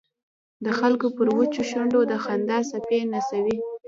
د خلکو پر وچو شونډو د خندا څپې نڅوي.